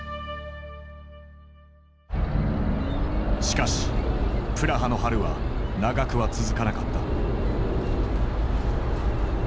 しかし「プラハの春」は長くは続かなかった。